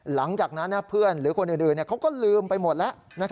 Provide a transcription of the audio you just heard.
หลังจากนั้นเพื่อนหรือคนอื่นเขาก็ลืมไปหมดแล้ว